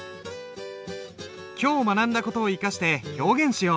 今日学んだ事を生かして表現しよう。